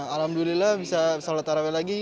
alhamdulillah bisa sholat taraweh lagi